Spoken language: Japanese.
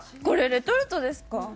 これレトルトですか？